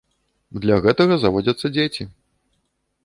Для гэтага заводзяцца дзеці.